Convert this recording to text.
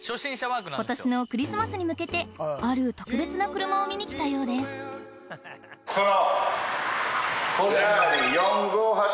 今年のクリスマスに向けてある特別な車を見に来たようですこれは。